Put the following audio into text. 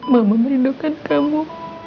mama merindukan kamu